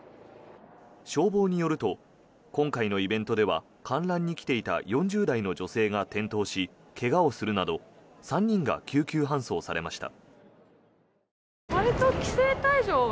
消防によると今回のイベントでは観覧に来ていた４０代の女性が転倒し怪我をするなど３人が救急搬送されました。